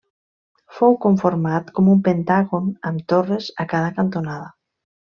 Fou conformat com un pentàgon amb torres a cada cantonada.